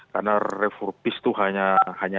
karena refurbish itu hanya